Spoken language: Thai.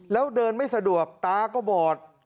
แล้วเดินไม่สะดวกตาก็บอด